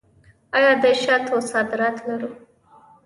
آیا د شاتو صادرات لرو؟